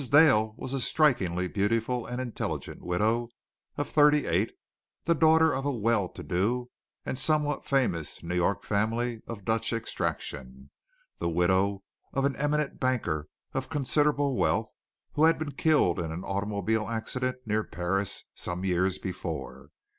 Dale was a strikingly beautiful and intelligent widow of thirty eight, the daughter of a well to do and somewhat famous New York family of Dutch extraction the widow of an eminent banker of considerable wealth who had been killed in an automobile accident near Paris some years before.